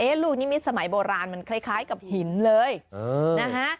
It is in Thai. ลูกนิมิตสมัยโบราณมันคล้ายกับหินเลยนะฮะ